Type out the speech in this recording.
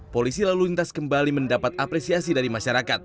polisi lalu lintas kembali mendapat apresiasi dari masyarakat